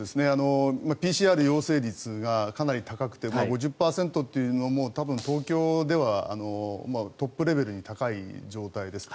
ＰＣＲ陽性率がかなり高くて５０％というのも多分、東京ではトップレベルに高い状態です。